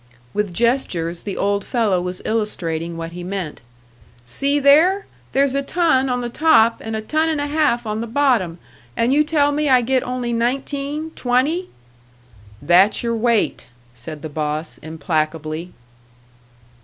With gestures the old fellow was illustrating what he meant. "See there! There's a ton on the top, and a ton and a half on the bottom and you tell me I get only nineteen, twenty!" "That's your weight," said the boss, implacably.